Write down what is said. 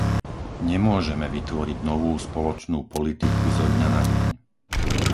Nemôžeme vytvoriť novú spoločnú politiku zo dňa na deň.